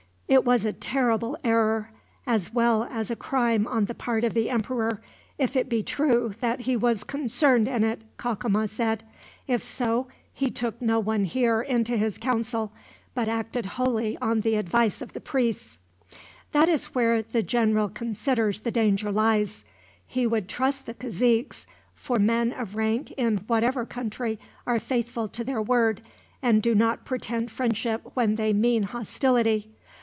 "It was a terrible error, as well as a crime on the part of the emperor, if it be true that he was concerned in it," Cacama said. "If so, he took no one here into his counsel, but acted wholly on the advice of the priests." "That is where the general considers the danger lies. He would trust the caziques, for men of rank in whatever country are faithful to their word, and do not pretend friendship when they mean hostility.